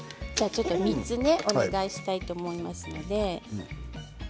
３つお願いしたいと思います。